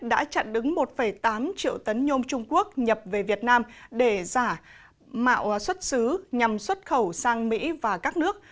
đã chặn đứng một tám triệu tấn nhôm trung quốc nhập về việt nam để giả mạo xuất xứ nhằm xuất khẩu sang mỹ và các nước